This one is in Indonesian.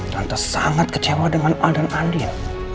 tante sangat kecewa dengan al dan andin